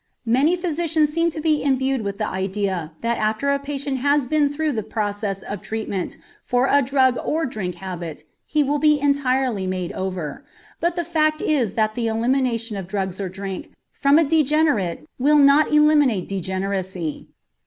Many physicians seem to be imbued with the idea that after a patient has once been through the process of treatment for a drug or drink habit he will be entirely made over; but the fact is that the elimination of drugs or drink from a degenerate will not eliminate degeneracy.